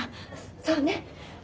そうね。